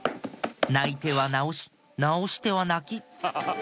泣いては直し直しては泣き